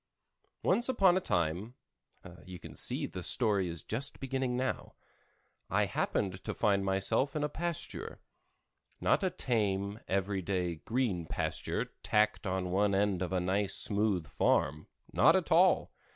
Once upon a time (you see the story is just beginning now) I happened to find myself in a pasture; not a tame, every day, green pasture tacked on one end of a nice smooth farm—not at all!